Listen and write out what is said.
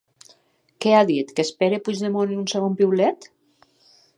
Què ha dit que espera Puigdemont en un segon piulet?